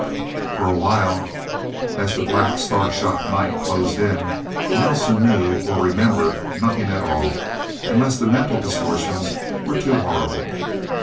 For a while, as the black, starshot night closed in, Nelsen knew, or remembered, nothing at all unless the mental distortions were too horrible.